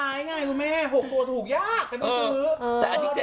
๓ตัวหลายไงคุณแม่๖ตัวถูกยากกันก็คือ